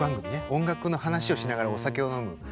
音楽の話をしながらお酒を飲む。